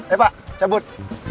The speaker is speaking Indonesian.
eh pak cabut